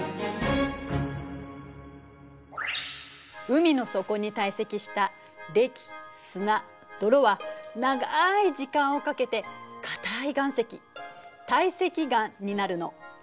海の底に堆積したれき砂泥は長い時間をかけて硬い岩石堆積岩になるの。